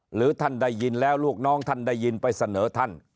หรือท่านได้ยินแล้วลูกน้องท่านได้ยินไปเสนอท่าน